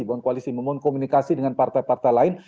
membangun komunikasi dengan partai partai lain